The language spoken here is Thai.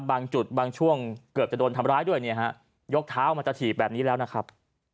บางจุดบางช่วงเกือบจะโดนทำร้ายด้วยเนี่ยฮะยกเท้ามาจะถีบแบบนี้แล้วนะครับ